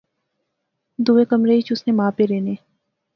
دوئے کمرے اچ اس نے ما پے رہنے